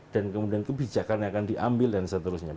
dan kemudian kebijakan yang akan diambil dan seterusnya